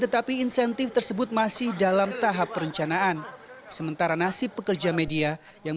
tetapi insentif tersebut masih dalam tahap perencanaan sementara nasib pekerja media yang